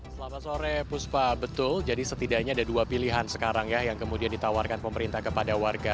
selamat sore puspa betul jadi setidaknya ada dua pilihan sekarang ya yang kemudian ditawarkan pemerintah kepada warga